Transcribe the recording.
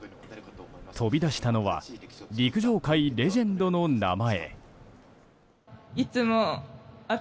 飛び出したのは陸上界レジェンドの名前。